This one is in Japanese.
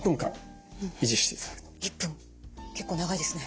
１分結構長いですね。